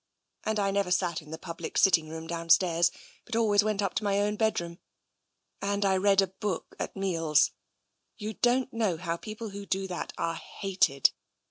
And I never sat in the public sitting room downstairs, but always went up to my own bedroom. And I read a book at meals. You don't know how people who do that are hated.